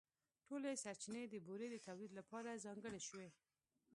ټولې سرچینې د بورې د تولیدً لپاره ځانګړې شوې.